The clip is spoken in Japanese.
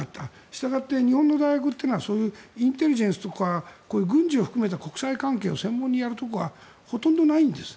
したがって日本の大学はインテリジェンスとか軍事を含めた国際関係をやるところがほとんどないんです。